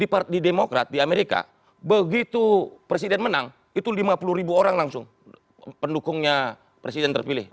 di demokrat di amerika begitu presiden menang itu lima puluh ribu orang langsung pendukungnya presiden terpilih